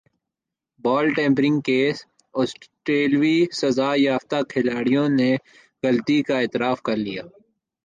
بال tampering case سٹریلوی سزا یافتہ کھلاڑیوں نےغلطی کا اعتراف کر لیا